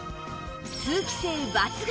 通気性抜群